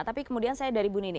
tapi kemudian saya dari bu nini